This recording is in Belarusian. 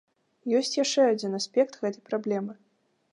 Ёсць яшчэ адзін аспект гэтай праблемы.